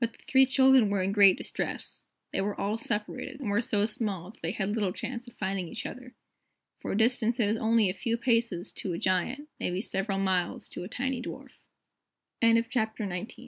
But the three children were in great distress. They were all separated, and were so small that they had little chance of finding each other; for a distance that is only a few paces to a giant, may be several miles to a